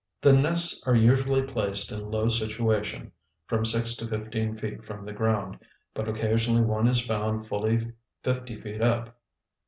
The nests are usually placed in low situation, from six to fifteen feet from the ground, but occasionally one is found fully fifty feet up.